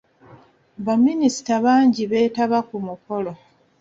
Baminisita bangi beetaba ku mukolo.